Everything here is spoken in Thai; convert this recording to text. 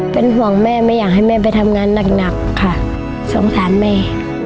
เป็นห่วงแม่ไม่อยากให้แม่ไปทำงานหนักค่ะสงสารแม่